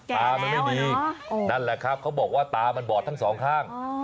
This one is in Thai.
ตามันไม่ดีนั่นแหละครับเขาบอกว่าตามันบอดทั้งสองข้าง